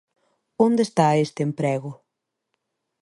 ¿Onde está este emprego?